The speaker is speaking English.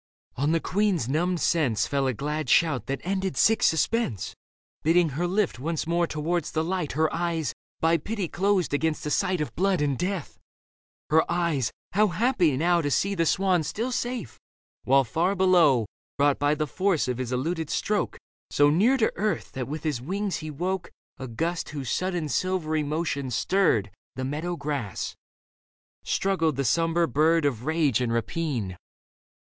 On the queen's numbed sense Fell a glad shout that ended sick suspense, Bidding her lift once more towards the light Her eyes, by pity closed against a sight Of blood and death — ^her eyes, how happy now To see the swan still safe, while far below, Brought by the force of his eluded stroke So near to earth that with his wings he woke A gust whose sudden silvery motion stirred The meadow grass, struggled the sombre bird Of rage and rapine.